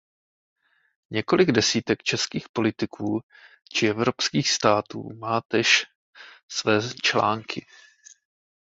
Několik desítek českých politiků či evropských států má též své články.